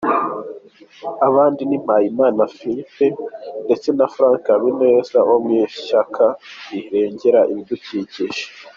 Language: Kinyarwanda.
Abandi ni Mpayimana Philippe ndetse na Franck Habineza wo mu ishyaka rirengera ibidukikije.